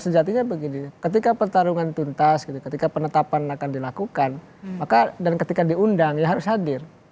sejatinya begini ketika pertarungan tuntas ketika penetapan akan dilakukan maka dan ketika diundang ya harus hadir